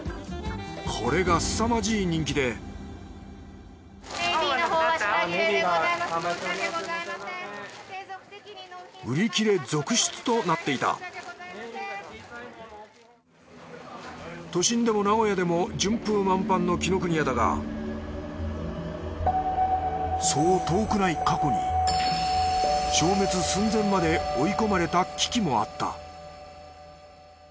これがすさまじい人気で売り切れ続出となっていた都心でも名古屋でも順風満帆の紀ノ国屋だがそう遠くない過去に消滅寸前まで追い込まれた危機もあった